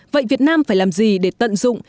vậy việt nam phải làm gì để tận dụng